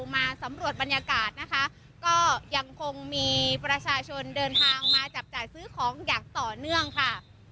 มาสำรวจบรรยากาศนะคะก็ยังคงมีประชาชนเดินทางมาจับจ่ายซื้อของอย่างต่อเนื่องค่ะ